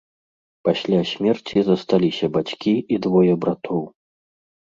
Пасля смерці засталіся бацькі і двое братоў.